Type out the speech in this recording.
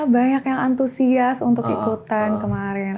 banyak yang antusias untuk ikutan kemarin